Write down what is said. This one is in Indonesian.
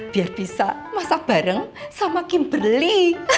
biar bisa masak bareng sama kimberly